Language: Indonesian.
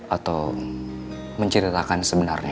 atau menceritakan sebenarnya